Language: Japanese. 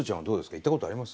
行ったことあります？